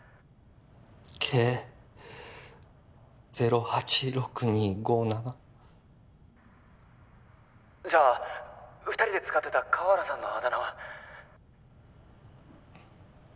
Ｋ０８６２５７じゃあ２人で使ってた河原さんのあだ名は？